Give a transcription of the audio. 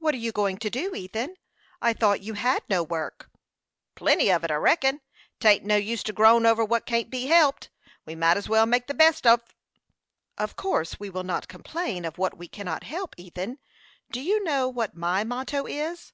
"What are you going to do, Ethan? I thought you had no work." "Plenty of it, I reckon. 'Tain't no use to groan over what can't be helped. We may as well make the best on't." "Of course we will not complain of what we cannot help. Ethan, do you know what my motto is?"